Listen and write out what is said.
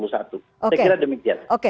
saya kira demikian